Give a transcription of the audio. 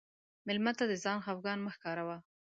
مېلمه ته د ځان خفګان مه ښکاروه.